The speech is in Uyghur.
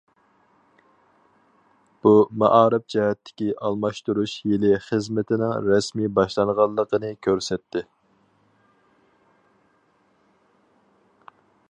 بۇ مائارىپ جەھەتتىكى ئالماشتۇرۇش يىلى خىزمىتىنىڭ رەسمىي باشلانغانلىقىنى كۆرسەتتى.